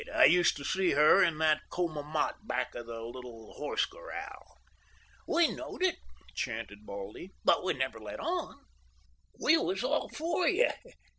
I used to see her in that coma mott back of the little horse corral." "We knowed it," chanted Baldy; "but we never let on. We was all for you.